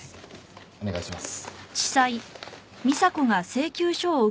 お願いします。